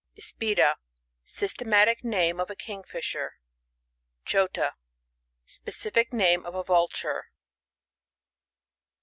IsPioA. — Systematic name of a Kio^ fisher. JoTA. — Specific iRime of a Vulture.